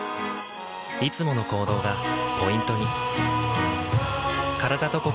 いつもの行動がポイントに。